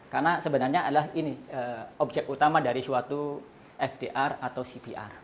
karena sebenarnya adalah ini objek utama dari suatu fdr atau cvr